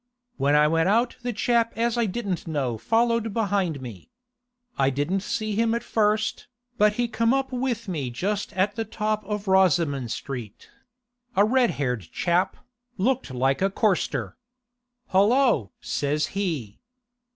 When I went out the chap as I didn't know followed behind me. I didn't see him at first, but he come up with me just at the top of Rosoman Street—a red haired chap, looked like a corster. "Hollo!" says he.